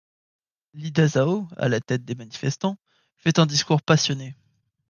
Li Dazhao, à la tête des manifestants, fait un discours passionné.